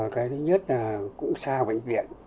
cái thứ nhất là cũng xa bệnh viện